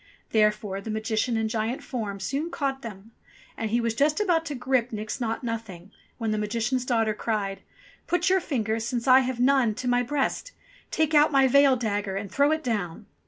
Therefore the Magician in giant form soon caught them up, and he was just about to grip Nix Naught Nothing when the Magician's daughter cried: "Put your fingers, since I have none, to my breast. Take out my veil dagger and throw it down."